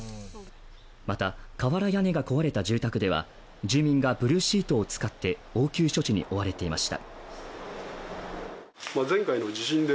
また、瓦屋根が壊れた住宅では住民がブルーシートを使って応急処置に追われていました。